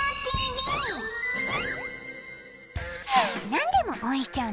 何でも応援しちゃう